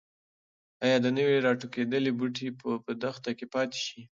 ایا د نوي راټوکېدلي بوټي به په دښته کې پاتې شي؟